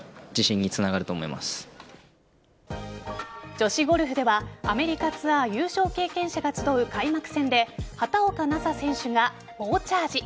女子ゴルフではアメリカツアー優勝経験者が集う開幕戦で畑岡奈紗選手が猛チャージ。